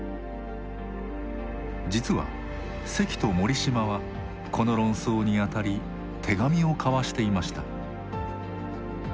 実は関と森嶋はこの論争にあたり手紙を交わしていました。